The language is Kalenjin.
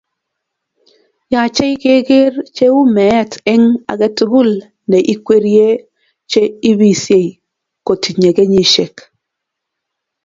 Yachei kekeer cheu meet eng agetukul ne ikwerie che ibisie kotinye kenyisiek